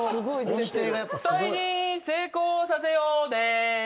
絶対に成功させようね。